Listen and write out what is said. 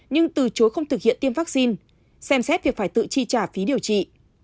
nhưng từ chối không thực hiện tiêm vaccine xem xét việc phải tự chi trả phí điều trị